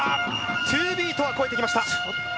トゥービートは越えてきました。